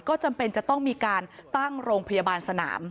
ก็จำเป็นจะต้องมีการตั้งโรงพยาบาลสนาม